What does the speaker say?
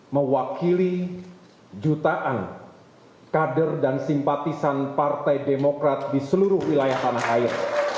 mewakili jutaan kader dan simpatisan partai demokrat di seluruh wilayah tanah air